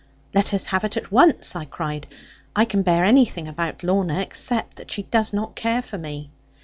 'Let us have it at once,' I cried; 'I can bear anything about Lorna, except that she does not care for me.'